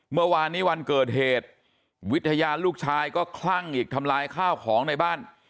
เมื่อวานนี้วันเกิดเหตุวิทยาลูกชายก็คลั่งอีกทำลายข้าวของในบ้าน